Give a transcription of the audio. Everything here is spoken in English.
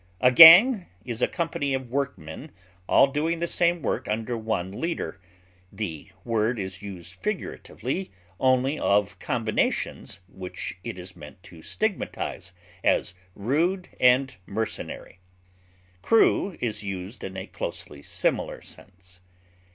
A gang is a company of workmen all doing the same work under one leader; the word is used figuratively only of combinations which it is meant to stigmatize as rude and mercenary; crew is used in a closely similar sense.